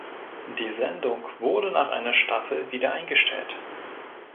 Die Sendung wurde nach einer Staffel wieder eingestellt.